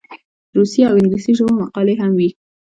روسي او انګلیسي ژبو مقالې هم وې.